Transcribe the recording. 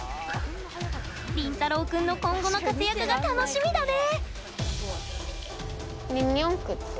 リンタロウ君の今後の活躍が楽しみだね。